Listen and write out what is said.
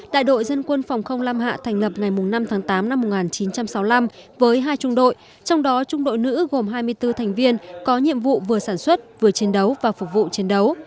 đại đội dân quân phòng không lam hạ thành lập ngày năm tháng tám năm một nghìn chín trăm sáu mươi năm với hai trung đội trong đó trung đội nữ gồm hai mươi bốn thành viên có nhiệm vụ vừa sản xuất vừa chiến đấu và phục vụ chiến đấu